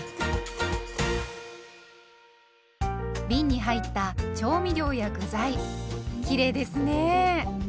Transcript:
びんに入った調味料や具材きれいですね。